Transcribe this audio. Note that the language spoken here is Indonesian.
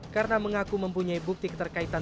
karena mengaku mempunyai bukti keterkaitan